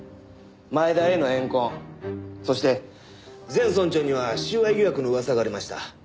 前田への怨恨そして前村長には収賄疑惑の噂がありました。